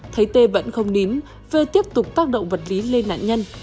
thấy t vẫn không nín vi tiếp tục tác động vật lý lên nạn nhân